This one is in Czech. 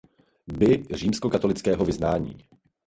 By římskokatolického vyznání.